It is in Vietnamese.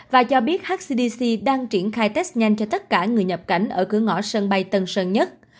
và cho biết hcdc đang triển khai test nhanh cho tất cả người nhập cảnh ở cửa ngõ sân bay tân sơn nhất